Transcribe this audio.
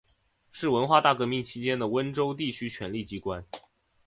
是文化大革命期间的温州地区权力机关。